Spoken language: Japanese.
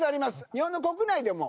日本の国内でも。